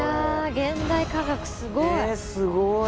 現代科学すごい。